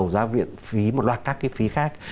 giá viện phí một loạt các cái phí khác